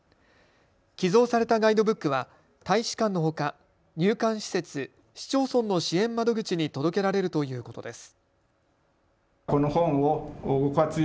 寄贈されたガイドブックは大使館のほか入管施設、市町村の支援窓口に届けられるということです。